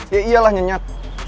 ya iyalah nyenyak